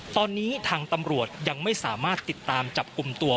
ตอนนี้ทางตำรวจยังไม่สามารถติดตามจับกลุ่มตัว